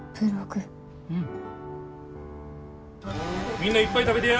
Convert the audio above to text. みんないっぱい食べてや！